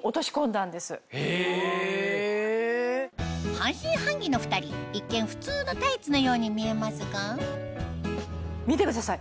半信半疑の２人一見普通のタイツのように見えますが見てください